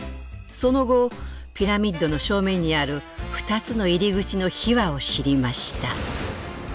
その後ピラミッドの正面にある２つの入り口の秘話を知りました。